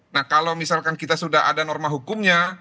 nah kalau misalkan kita sudah ada norma hukumnya